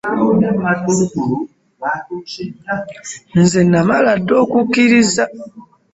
Nze namala dda okukkiriza.